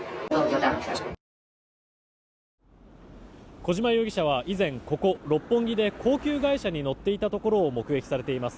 小島容疑者は以前、ここ六本木で高級外車に乗っていたところを目撃されています。